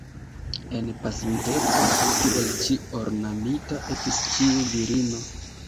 En pasinteco tiel ĉi ornamita estis ĉiu virino.